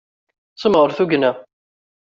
Semɣer tugna.